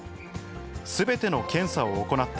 すべての検査を行った。